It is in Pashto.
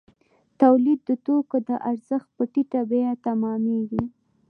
تولید د توکو د ارزښت په ټیټه بیه تمامېږي